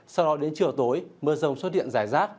sau đó đến trưa tối mưa rông xuất hiện dài rác